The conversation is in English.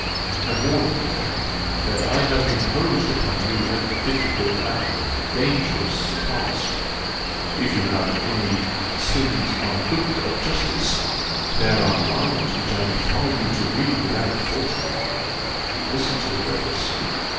I warn you, then, that I have imposed upon you a difficult, a dangerous task. If you have any 'sins unwhipt of justice,' there are lines which I defy you to read without faltering listen to the preface."